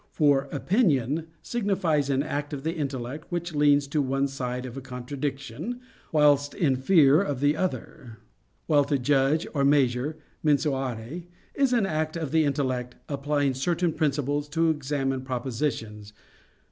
For "opinion" signifies an act of the intellect which leans to one side of a contradiction, whilst in fear of the other. While to "judge" or "measure" [mensurare] is an act of the intellect, applying certain principles to examine propositions.